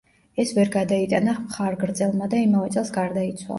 ეს ვერ გადაიტანა მხარგრძელმა და იმავე წელს გარდაიცვალა.